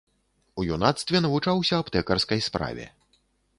У юнацтве навучаўся аптэкарскай справе.